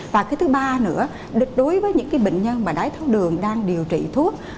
và cái thứ ba nữa đối với những cái bệnh nhân mà đáy tháo đường đang điều trị thuốc